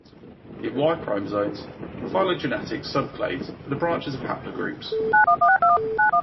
In Y-chromosome phylogenetics, subclades are the branches of haplogroups.